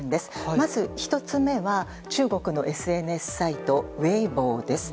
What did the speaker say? まず１つ目は中国のＳＮＳサイトウェイボーです。